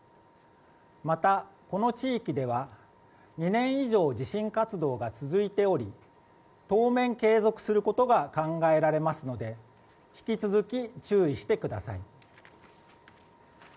また、この地域では２年以上地震活動が続いており当面、継続することが考えられますので引き続き、注意してください。